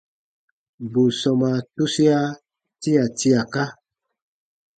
Bù sɔmaa tusia tia tiaka.